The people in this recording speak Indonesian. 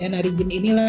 narigin ini lah